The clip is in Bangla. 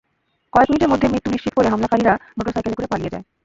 কয়েক মিনিটের মধ্যে মৃত্যু নিশ্চিত করে হামলাকারীরা মোটরসাইকেলে করে পালিয়ে যায়।